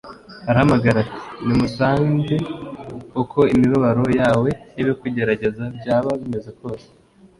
arahamagara ati: “nimunsange” uko imibabaro yawe n’ibikugerageza byaba bimeze kose